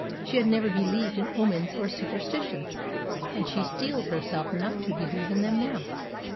She had never believed in omens or superstitions, and she steeled herself not to believe in them now.